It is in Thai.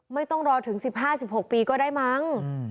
ไม่ต้องรอถึง๑๕๑๖ปีก็ได้มั้ง